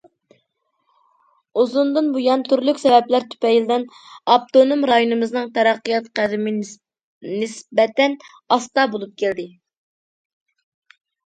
ئۇزۇندىن بۇيان، تۈرلۈك سەۋەبلەر تۈپەيلىدىن، ئاپتونوم رايونىمىزنىڭ تەرەققىيات قەدىمى نىسبەتەن ئاستا بولۇپ كەلدى.